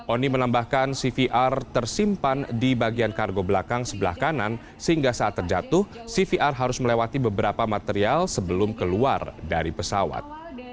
oni menambahkan cvr tersimpan di bagian kargo belakang sebelah kanan sehingga saat terjatuh cvr harus melewati beberapa material sebelum keluar dari pesawat